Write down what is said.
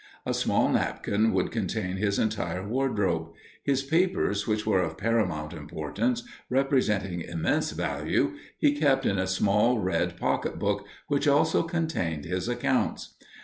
A small napkin would contain his entire wardrobe; his papers, which were of paramount importance, representing immense value, he kept in a small red pocket book, which also contained his accounts.